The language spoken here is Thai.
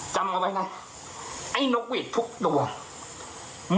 จำไว้ไงไอ้นกเวททุกรวม